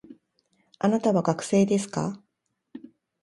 あなたは学生ですか